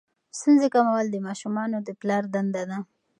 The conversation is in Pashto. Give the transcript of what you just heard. ستونزې کمول د ماشومانو د پلار دنده ده.